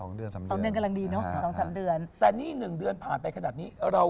เฮ้ยดูดีอ่ะแม่อ่ะ